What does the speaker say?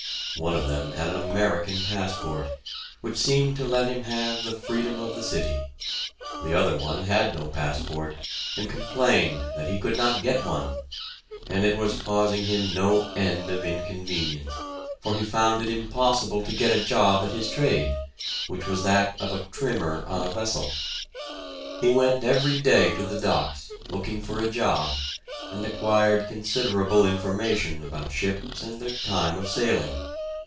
One of them had an American passport, which seemed to let him have the freedom of the city; the other one had no passport, and complained that he could not get one, and it was causing him no end of inconvenience, for he found it impossible to get a job at his trade, which was that of "trimmer" on a vessel. He went every day to the docks, looking for a job, and acquired considerable information about ships and their time of sailing.